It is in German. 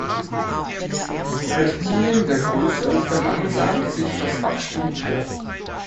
Mit zunehmender Größe verlangsamt sich das Wachstum wieder.